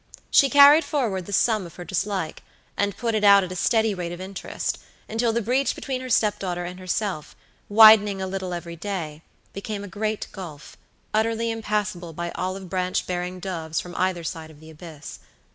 She carried forward the sum of her dislike, and put it out at a steady rate of interest, until the breach between her step daughter and herself, widening a little every day, became a great gulf, utterly impassable by olive branch bearing doves from either side of the abyss.